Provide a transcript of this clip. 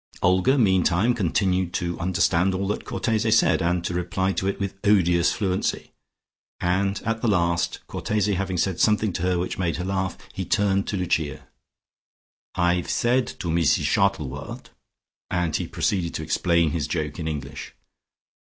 Olga meantime continued to understand all that Cortese said, and to reply to it with odious fluency, and at the last, Cortese having said something to her which made her laugh, he turned to Lucia. "I've said to Meesis Shottlewort" ... and he proceeded to explain his joke in English.